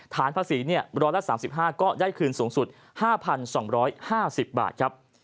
ฐานภาษี๑๓๕ก็ได้คืนสูงสุด๕๒๕๐บาทครับ